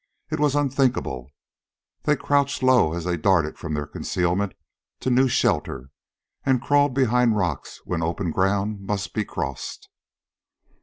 It was unthinkable. They crouched low as they darted from their concealment to new shelter, and crawled behind rocks when open ground must be crossed.